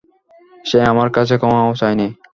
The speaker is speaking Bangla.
সে আমার কাছে ক্ষমাও চায়নি।